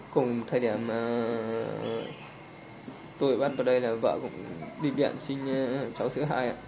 cùng thời điểm tôi bắt vào đây là vợ cũng đi biện sinh cháu thứ hai